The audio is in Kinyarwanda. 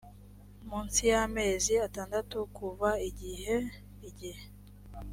munsi y amezi atandatu kuva igihe igihe